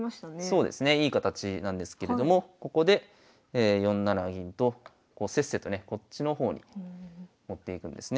そうですねいい形なんですけれどもここで４七銀とせっせとねこっちの方に持っていくんですね。